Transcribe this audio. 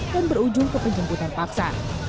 dan berujung ke penjemputan paksa